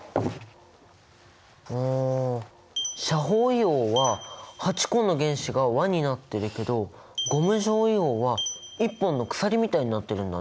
あ斜方硫黄は８個の原子が輪になってるけどゴム状硫黄は１本の鎖みたいになってるんだね。